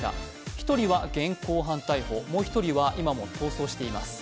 １人は現行犯逮捕、もう１人は今も逃走しています。